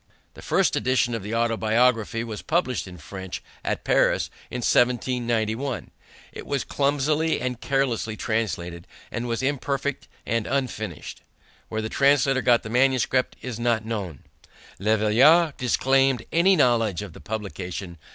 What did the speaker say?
The first edition of the Autobiography was published in French at Paris in 1791. It was clumsily and carelessly translated, and was imperfect and unfinished. Where the translator got the manuscript is not known. Le Veillard disclaimed any knowledge of the publication.